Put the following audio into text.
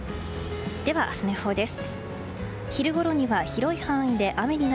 では明日の予報です。